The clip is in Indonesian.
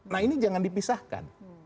nah ini jangan dipisahkan